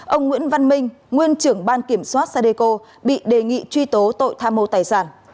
ông nguyễn văn minh nguyên trưởng ban kiểm soát sadeco bị đề nghị truy tố tội tham mô tài sản